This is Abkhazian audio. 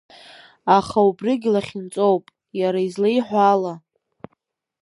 Аха убригь лахьынҵоуп иара излеиҳәо ала.